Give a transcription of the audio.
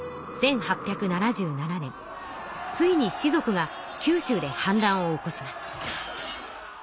ついに士族が九州で反乱を起こします。